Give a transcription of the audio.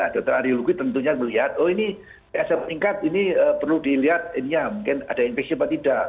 dokter ardiologi tentunya melihat oh ini psm tingkat ini perlu dilihat ini ya mungkin ada infeksi apa tidak